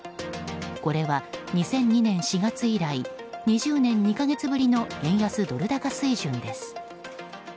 これは２００２年４月以来２０年２か月ぶりの円安ドル高水準です。